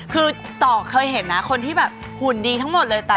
คือต่อเคยเห็นนะคนที่แบบหุ่นดีทั้งหมดเลย